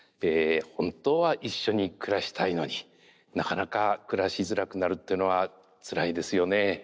本当は一緒に暮らしたいのになかなか暮らしづらくなるっていうのはつらいですよね。